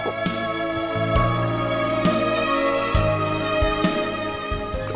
opa bahagia sekali